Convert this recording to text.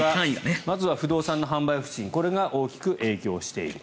まずは不動産の販売不振これが大きく影響している。